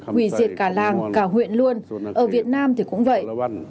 hủy diệt cả làng cả huyện luôn ở việt nam thì cũng vậy